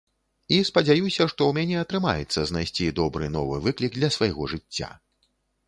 І спадзяюся, што ў мяне атрымаецца знайсці добры новы выклік для свайго жыцця.